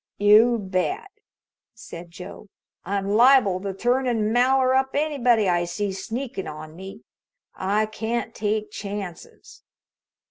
"You bet," said Joe. "I'm liable to turn an' maller up anybody I see sneakin' on me. I can't take chances."